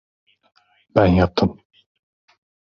Ben yaptım.